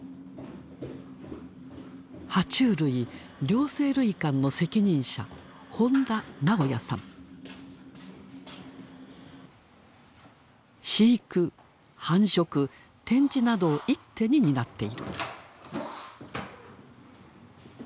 ・両生類館の責任者飼育繁殖展示などを一手に担っている。